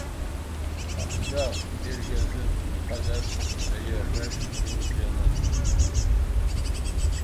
Aql-aɣ irgazen lxalat ay arrac imeẓẓyanen.